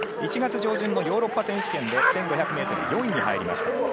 １月上旬のヨーロッパ選手権で１５００ｍ、４位に入りました。